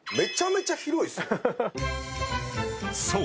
［そう。